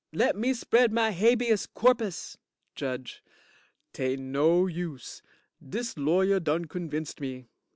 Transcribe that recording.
Let me spread my habeas corpus. JUDGE 'Tain't no use. Dis lawyer done convinced me.